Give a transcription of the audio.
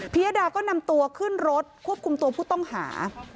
ยดาก็นำตัวขึ้นรถควบคุมตัวผู้ต้องหา